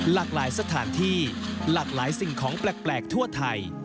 หลากหลายสถานที่หลากหลายสิ่งของแปลกทั่วไทย